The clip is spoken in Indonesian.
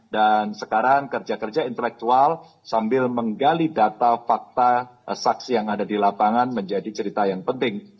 dan sekarang kerja kerja intelektual sambil menggali data fakta saksi yang ada di lapangan menjadi cerita yang penting